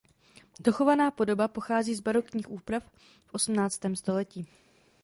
Dochovaná podoba pochází z barokních úprav v osmnáctém století.